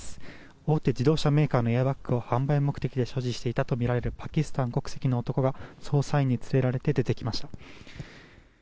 大手自動車メーカーのエアバッグを販売目的で所持していたとみられるパキスタン国籍の男が捜査員に連れられて出てきました。